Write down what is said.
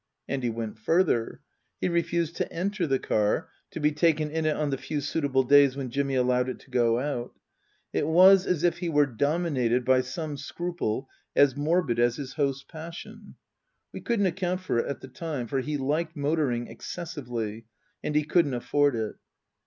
And he went further. He refused to enter the car, to be taken in it on the few suitable days when Jimmy allowed it to go out. It was as if he were dominated by some scruple as morbid as his host's passion. We couldn't account for it at the time, for he liked motoring excessively, and he couldn't afford it.